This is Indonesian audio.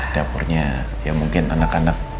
dapurnya ya mungkin anak anak